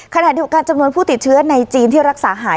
ขณะเดียวกันจำนวนผู้ติดเชื้อในจีนที่รักษาหาย